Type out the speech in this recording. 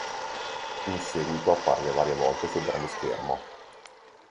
In seguito apparve varie volte sul grande schermo.